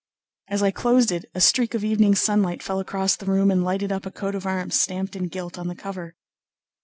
As I closed it a streak of evening sunlight fell across the room and lighted up a coat of arms stamped in gilt on the cover.